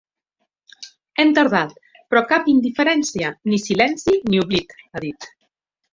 Hem tardat, però cap indiferència, ni silenci ni oblit, ha dit.